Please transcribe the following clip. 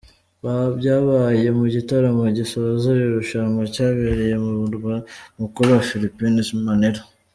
Byabaye mu gitaramo gisoza iri rushanwa cyabereye mu murwa mukuru wa Philippines, Manila.